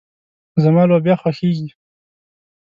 زما لوبيا خوښيږي.